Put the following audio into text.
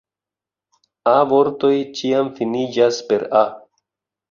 A-vortoj ĉiam finiĝas per "-a".